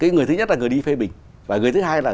người thứ nhất là người đi phê bình và người thứ hai là